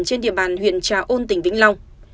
trên địa bàn huyện trà ôn tỉnh vĩnh long